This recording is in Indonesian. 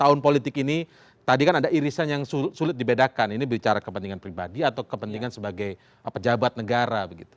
tahun politik ini tadi kan ada irisan yang sulit dibedakan ini bicara kepentingan pribadi atau kepentingan sebagai pejabat negara begitu